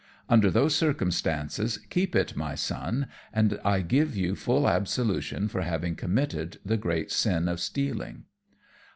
"Under those circumstances keep it, my Son, and I give you full absolution for having committed the great sin of stealing."